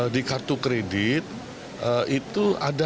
di kartu kredit itu ada